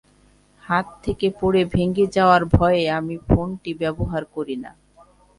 হাত থেকে পড়ে ভেঙে যাওয়ার ভয়ে আমি ফোনটি ব্যবহার করি না।